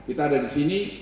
kita ada di sini